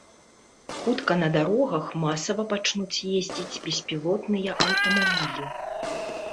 Хутка на дарогах масава пачнуць ездзіць беспілотныя аўтамабілі.